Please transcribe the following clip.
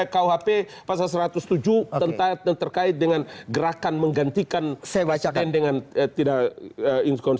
kuhp pasal satu ratus tujuh tenta dan terkait dengan gerakan menggantikan saya baca kandengan tidak ingin